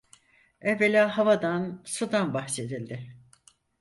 Evvela havadan, sudan bahsedildi.